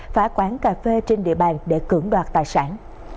phá quán cà phê trên địa bàn để cưỡng đoạt tài sản